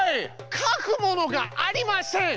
描くものがありません！